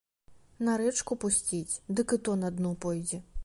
На рэчку пусціць, дык і то на дно пойдзе.